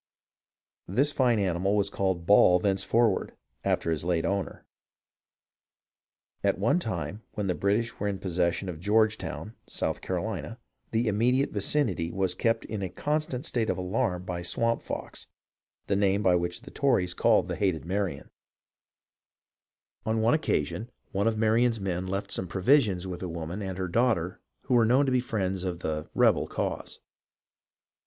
This fine animal was called Ball thenceforward, after his late owner. " At one time, when the British were in possession of Georgetown (South Carolina), the immediate vicinity was kept in a constant state of alarm by Swamp Fox, the name by which the Tories called the hated Marion. On one STORIES OF THE WAR IN THE SOUTH 347 occasion, one of Marion's men left some provisions with a woman and her daughter who were known to be friends of the ' rebel ' cause.